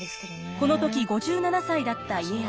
この時５７歳だった家康。